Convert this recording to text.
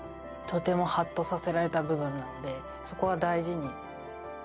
とてもハッとさせられた部分なのでそこは大事に。